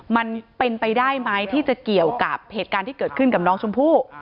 มันเป็นไปได้ไหมที่จะเกี่ยวกับเหตุการณ์ที่เกิดขึ้นกับน้องชมพู่